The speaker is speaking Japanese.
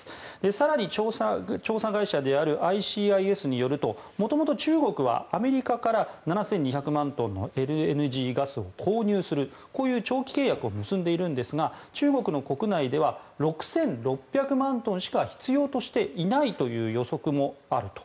更に調査会社であるＩＣＩＳによるともともと中国はアメリカから７２００万トンのＬＮＧガスを購入する長期契約を結んでいるんですが中国の国内では６６００万トンしか必要としていないという予測もあると。